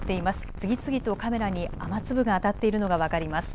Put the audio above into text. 次々とカメラに雨粒が当たっているのが分かります。